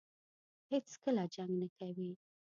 هېڅکله جنګ نه کوي.